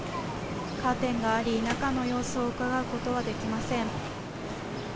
カーテンがあり、中の様子をうかがうことはできません。